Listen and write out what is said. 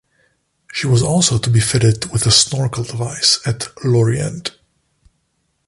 She was also to be fitted with a snorkel device at Lorient.